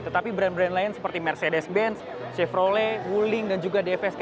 tetapi brand brand lain seperti mercedes benz chevrole wuling dan juga dfsk